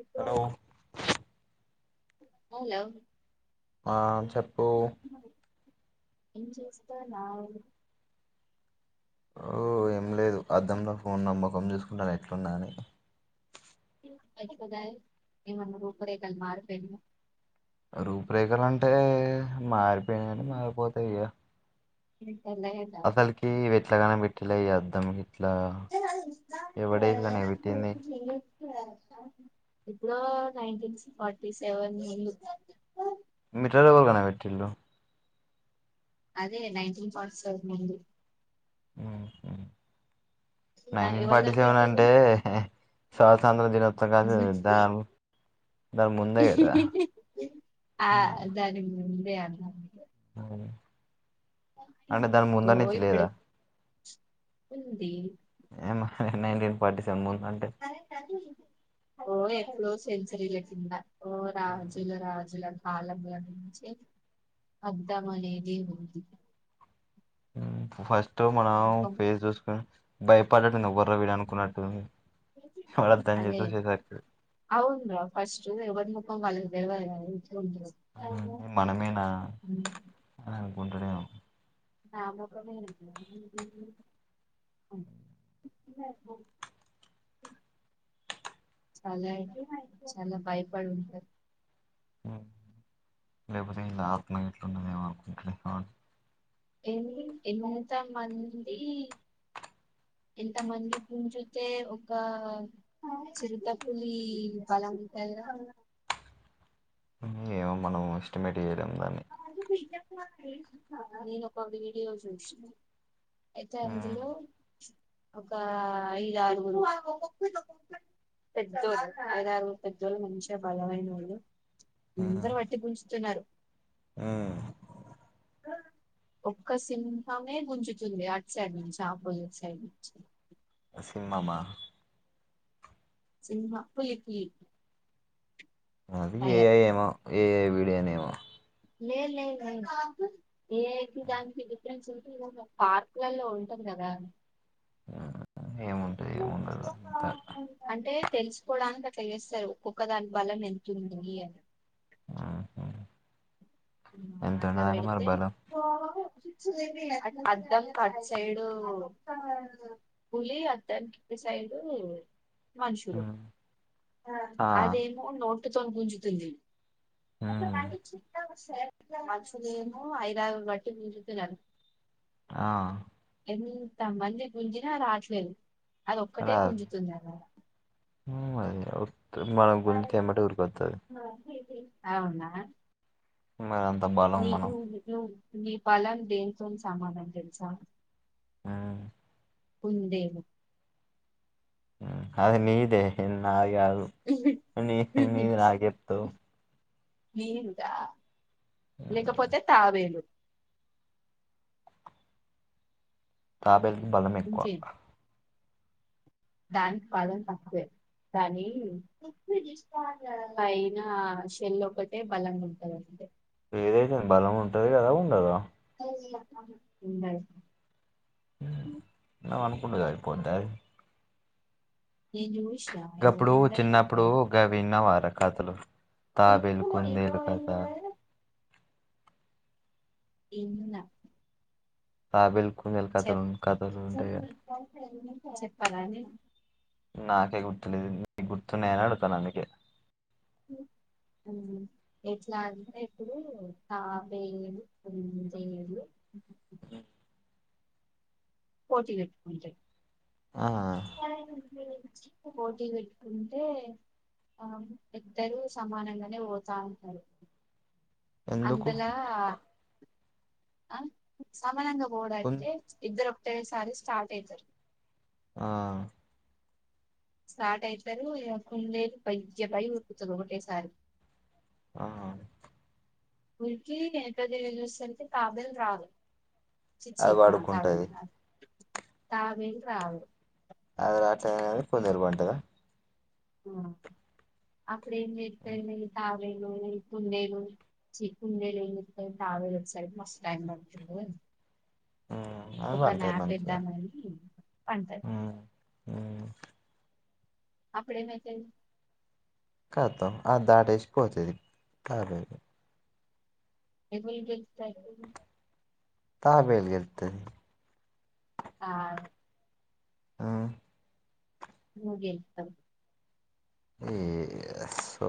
ఇ hello [unintelligible] hello ఆ చెప్పు ఏం చేస్తానావు. ఓ ఏమి లేదు. అద్దం లో ఫోన్ నా మొఖం చూసు ఉండాల ఎట్లుందని రూపు రేఖలు మారిపోయినాయి రూపురేఖలు అంటే మారి పే మారిపోతయి ఇగ [inaudible] అసలుకి ఎట్లాగాన పెట్టిలా ఈ అద్దం ఇట్లా ఎవడేవి కనే పెట్టింది [unintelligible] ఆ నైన్టీస్ ఫార్టీ సెవెన్ మీటర్ ఎవరు కనిపెటిరు అదే నైన్టీన్ ఫార్టీ సెవెన్ ముందు ఆ నైన్టీన్ ఎవలు ఫార్టీ సెవెన్ కనిపెట్టిల్లు అంటే [unintelligible] [unintelligible] దాని ముందే కదా ఆ దాని ముందే దే అది [inaudible] అంటే దాని ముంద నుంచి లేదా ఉంది ఏ నైన్టీన్ ఫోర్టీ సెవన్ ము ఓ వో సెంచరీల కింద ఓ రాజుల రాజుల కాలల నుంచి అర్ధం అనేది ఉంది [inaudible] ఫస్ట్ మనం ముఖం ఫేజ్ చూసుకుని భయపడ్డట్డి గొర్రె వీడు అనుకున్నట్టుందీ అదే అవును ఫస్ట్ ఊ వాళ్ళకు తెల్వదు కదా ఉంటదో మనమేనా ఉంటడం చాలా చాలా భయపడి ఉంటారు లేపోతే ఇలా ఆత్మ ఇట్లున్నదేమ అనుకుంటాడ ఎ ఎంత మంది ఎంత మంది కుంజుతే ఒక చిరుతపులి బలాంటదా ఏమో మనం ఎస్టిమేట్ చేయలేం దాన్ని [inaudible] నేనొక వీడియో చూసినా అయితే ఉమ్, అందులో ఒక ఐదారుగురు పెద్దోళ్లు ఐదారుగురు పెద్దోళ్ళు మంచిగా బలమైన వాళ్ళు అందరు పట్టి గుంజుతున్నారు ఆ ఒక్క సింహమే గుంజుతుంది అటు సైడ్ నుంచి ఆపోజిట్ సైడ్ నుంచి సింహమా సింహ పులి పులి అది ఏ టైగర్ ఐ ఏమో ఏ ఐ వీడి వీడియో నేమో లేదు లేదు లేదు ఏ ఐ కి దానికి డిఫరెన్స్ ఉంటది పార్క్ లలో ఉంటది కదా ఏముంటది ఏముండదు అంత అంటే తెలుసుకోవడానికి అట్లా చేస్తారు ఒక్కొక్క దాని బలన ఎంతుంది అని ఆహ అట్లా పెడితే అద్దం కి అటు సైడు పులీ అద్దం కి ఇటు సైడు మనుషులు ఉమ్, ఆ అదేమో [unintelligible] గుంజుతుంది అ ఉమ్, వా [unintelligible] అమ్చునేమో ఐదారుగురు పట్టి గుంజుతున్నారు ఆ ఎంత మంది గుంజిన రాట్లేదు అది ఒక్కటే గుంజుతుంది అక్కడ అవు [unintelligible] మన గుంజితే ఎమ్మటే ఉరికొత్తది అవునా మరి అం ని ని నీ బలం దేంతోని సమానం తెలుసా హ్మ్ కుందేలు అది నీదే నాది కాదు నీది నాకు చెప్తావ్ ఏనుగా లేకపోతే తాబేలు తాబేలు బలం ఎక్కువ ఇంకేం దానికి పాదం తక్కువే కానీ పైన షెల్ ఒకటే బలంగా ఉంటదంతే ఏదే బలం ఉంటది కదా ఉండదా ఉండదు అనుకుంటేసరిపోద్ద నేను చూసినా ఒకప్పుడు ఉండనే చిన్నప్పుడు ఉండదు గవ్వినవరా కాతలు తాబేలు కుందేలు కథ ఇన్నా తాబేల్ కుందేలు కథలు కథలుంటే చెప్పాలనేన్ నాకే గుర్తులేదు నీకు గుర్తున్నయా అని అడుగుతాన్నా అందుకే ఎట్లా అంటే ఇప్పుడు తాబేలు కుందేలు పోటీపేట్టుకుంటయి ఆహ్ పోటీ పెట్టుకుంటే ఆ ఇద్దరు సమానంగానే వోతా ఉంటారు ఎందుకు అందలా ఆ సమానంగా వోడు కున్ అంటే ఇద్దరు టేసారి స్టార్ట్ అయితరు ఆ స్టార్ట్ అయితారు ఇగ కుందేలు బయ్యబయ్య ఉరుకుతది ఒకటేసారి ఆహా ఉరికి ఏనుక తిరిగి చూసేసరికి తాబేలు రాదు చిచి అది ఆ పడుకుంటది తాబేలు రాదు తాబేలు రాదు ఆది రాట్లే గాదని కుందేలు బంటదా ఆ అప్పుడు ఏంజెత్తది తాబ్ నేను కుందేలు చి కుందేలు ఎంచెత్తదితాబేలు ఓచ్చేసరికి మాస్టైమ్బడుతది మ్మ్ అది ఒక పంటది నాప్ మంచిగా ఏద్దామని పంటది హ్మ్ అప్పుడేమైతది కతం ఆ దాటేసిపోతది తాబేలు ఏవుళ్ళూ గెలుత్తారు తాబేల్ గెల్తది కాదు ఆహ్ నువ్ గెలుతవ్ ఏయో సో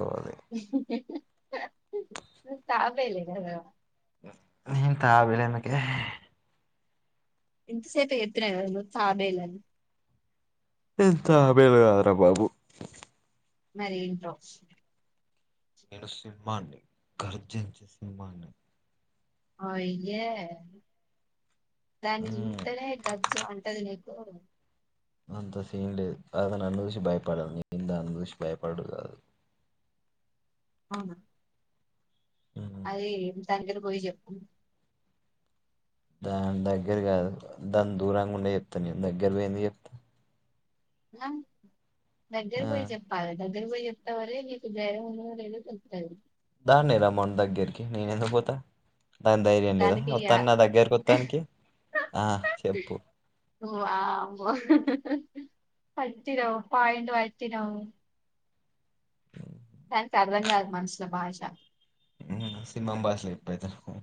తాబేలే కదా ఉహు తాబేలు ఏందుకే ఇంతసేపే చెప్పిన కదా, నువ్ తాబేలని. తాబేలుకాదురా బాబు. మరేంటో? నేను సింహాన్ని, గర్జించే సింహాన్ని. అయ్యే? దాన్ని మ్మ్ జూత్తనే గజ్జుమంటది నీకు. తోకతోని అంత సీన్ లేదు, అదేదొ నన్ను చూసి భయపడాలి. నేన్ దాన్ని చూసి బయపడడు కాదు. అవున? మ్మ్ అదే, దగ్గరపోయి చెప్పు. దాని దగ్గర కాదు, దాన్ దూరంగా ఉండె చెప్తా నేను. దగ్గర పోయి ఎందుక్ చెప్తా? [unintelligible] దగ్గర ఆ పోయి చెప్పాలే, దగ్ గ్గర పోయి చెప్తావనే, నీకు ధైర్యం ఉందో లేదో తెల్తది దాన్నే రమ్మను దగ్గరికి, నేనెందుకు పోతా? దాని ధైర్యం లేదా దానికి ఆ ఒత్తాన్, నా దగ్గరకొత్తానికి. ఆ చెప్పు? ఓ, ఆ బో పట్టినవ్, పాయింటు పట్టినవు. దానికి అర్థం కాదు, మనుషుల భాష. నేనా, సింహం భాషల చెప్తయితే? హ్మ్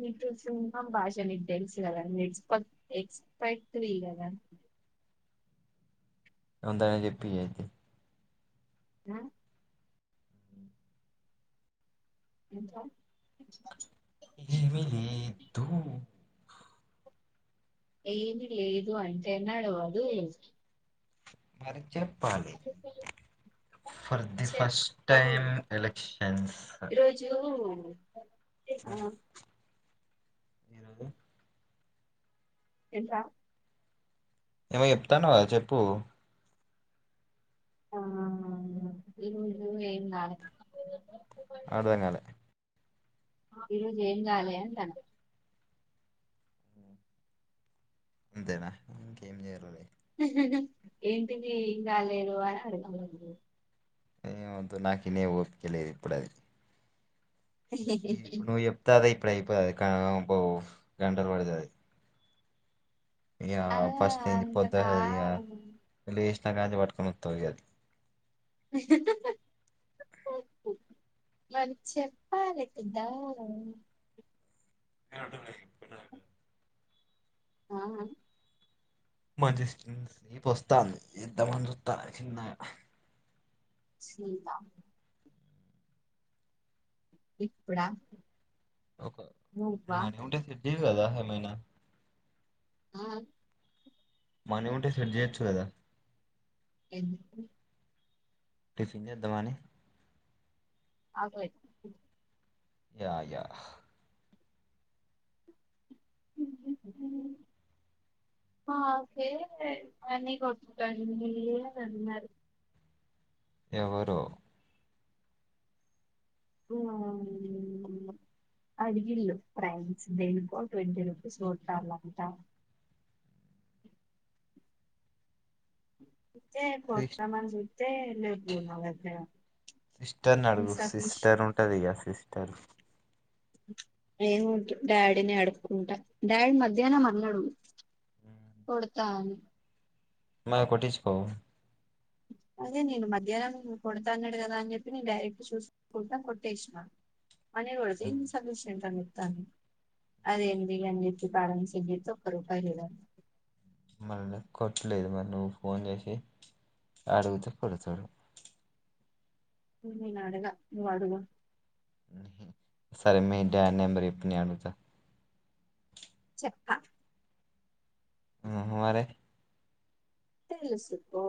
మీకు సింహం భాష నీకు తెలుసు కదా, నువ్ ఎక్స్ప ఎక్స్పర్ట్ వి కదా? అంతగా చెప్పియి అయితే? ఆ? ఏంట్రా? ఏమీ లేద్ దూ. ఏమి లేదు అంటే నడవదు? బ్బ చ్చ పాలి, ఫర్ ది ఫస్ట్ చెప్పవు టైమ్ ఎలెక్షన్స్ ఫ్ [unintelligible] టి, ఆ ఈరోజు? ఏంట్రా? ఏమో చెప్తాన్నవ్ కదా, చెప్పు? ఆ ఆ ఆ ఆ. ఈరోజు ఎంగాలే. అర్దంగాలే? ఈరోజు ఏం గాలే అంటాన్న? అంతేనా? ఇంకేం జర్గలే? ఏంటిది ఏం గాలేదు? అని అడగాల నువ్వు? ఏం వద్దు, నాకినే ఊపిక లేదిప్పుడది. షి ఇప్పుడు నువ్ చెప్తే, అదే ఇన్ ప్పుడఅయిపోదది, క బో గంటలు పడుతదది. ఇగా ఆ ఫస్ట్ నుంచి పొద్దంత అంతగా అదే, ఇగా లేస్ నా కంచి పట్టుకొని అత్తది ఇగది మరి చెప్పాలి కదా ఎ అంటుంది పెట్రోల్ అయిపోయింది ఆ అ మంచి ఇపువస్తంది ఇద్దమని చూస్తాన చిన్నగా శీత ఇప్పుడ ఒక మనీ ఉంటే సే టే గదా ఎ మైనా ఆ మనీ ఉంటే సెట్ చేయొచ్చు కదా ఎందుకు టిఫిన్ చేద్దామని ఆకలై యా యా అ ఓకే అన్నీ కొట్టండి అన్నారు ఎవరో అడిగిల్లు ప్రైన్స్ దేనికో ట్వంటీ రూపీస్ కొట్టలాంట ఏ సిస్ కొడ్తానని చెప్ తె లేవ్వు నా దగ్గర సిస్టర్ని అడుగు ఇన్సఫిషియెంట్ సిస్టర్ ఉంటది గా సిస్ట తరు ఏముంట డాడీని అడుక్కుంటా డాడీ మధ్యాహ్నమన్నడు కొడతా అని మ కొట్టిచ్చుకో అదే నేను మధ్యాహ్నం కొడతా అన్నాడు కదా అని చెప్పి నేను డైరెక్ట్ చూసుకుంట కొట్టేసిన అనే కొడితే ఉమ్. ఇన్ సేఫ్ఫిషియంట్ అన్నది అదేంది అని చెప్పి [unintelligible] చెక్ చేత్తే ఒక్క రూపాయి లేదు అం మళ్ని కొట్టలేదు మరి నువ్వు ఫోన్ చేషి అడుగుతే కొడుతరు నేనడగా నువ్ అడుగు సరే మీ డాడి నంబర్ చెప్పు నేను అడుగుతా చెప్ప ఉహు అదే తెలుసుకో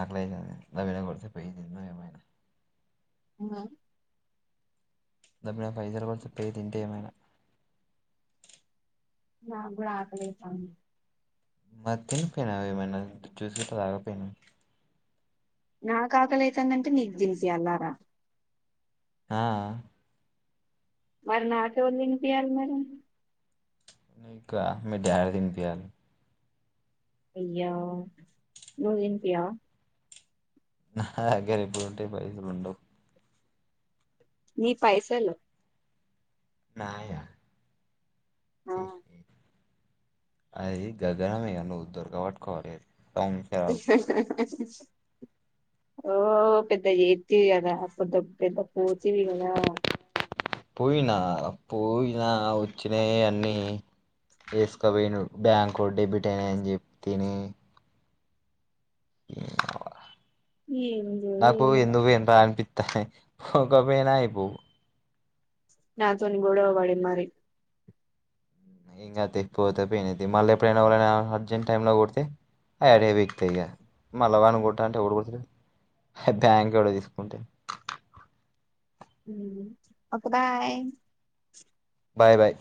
ఆకలితంది నవీనా కొడితే పోయి తిందాం ఎమైనా ఇంగ దబ్బున పైసల్ కొడితే పోయి తింట ఏమైనా నా కూడా అకాలయితాంది మధ్యం పెనా ఏమన్న జ్యూస్ గిట్ల తాగపోయినవ్ నా కాకలైతందంటే నీకు దిన్పియల్లారా ఆ మరి నాకేవల్ తినిపియ్యాలి మరి నీకా మీ డాడీ దినిపియ్యలి అయ్యో నువ్ దిన్పియ్యవా నాగ్గర ఎప్పుడు ఉంటై పైసల్ ఉండవ్ మీ పైసలు నాయా ఆ అది గగనమే నువ్వు దుర్గ పట్టుకోవాలి అది ఓ పెద్ద చేత్తివి కదా పెద్ద పోతివి కదా పోయినా పోయినా వచ్చినవి అన్నీ వేసుకపోయిను బ్యాంకు డెబిట్ అనా అని చెప్పి తిని ఏందో నాకు ఏమో ఎందుకు ఇంత అనిపిిచ్ పోక పోయినా అయిపో నాతోని గోడవా పడి మరి ఇంకా తెప్పిపోతే పెయినది మళ్ళీ ఎప్పుడైనా వాళ్ళ అర్జెంట్ టై లో కొడితే అవి అడి బికుతా ఇక మళ్ళా వాని కొట్ట అంటే ఎ కుతు బ్యాంక్ ఎవడో తీసుకుంటే ఓకే బాయ్ బాయ్ బాయ్